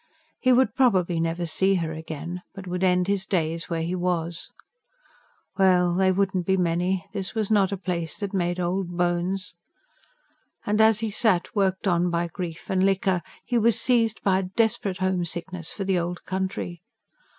He would probably never see her again, but would end his days where he was. Well, they wouldn't be many; this was not a place that made old bones. And, as he sat, worked on by grief and liquor, he was seized by a desperate homesickness for the old country.